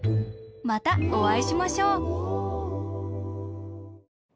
またおあいしましょう。